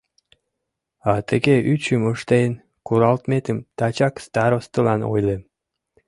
А тыге ӱчым ыштен куралметым тачак старостылан ойлем.